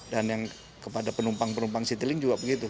dan yang kepada penumpang penumpang citilink juga begitu